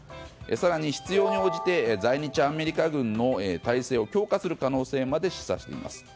更に、必要に応じて在日アメリカ軍の態勢を強化する可能性まで示唆しています。